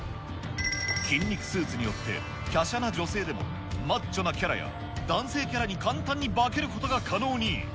筋肉スーツによって、華奢な女性でもマッチョなキャラや、男性キャラに簡単に化けることが可能に。